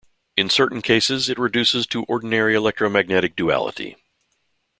In certain cases it reduces to ordinary electromagnetic duality.